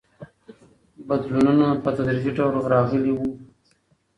بدلونونه په تدریجي ډول راغلي وو.